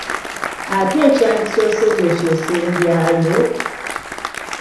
Ate ekyandisoose gwe ky'osembyayo?